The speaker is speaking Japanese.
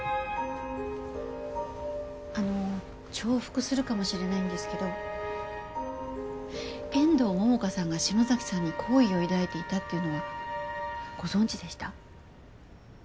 あの重複するかもしれないんですけど遠藤桃花さんが篠崎さんに好意を抱いていたっていうのはご存じでした？